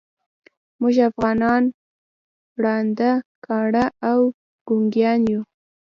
موږ افغانان ړانده، کاڼه او ګونګیان یوو.